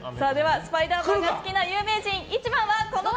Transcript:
「スパイダーマン」が好きな有名人１番はこの方！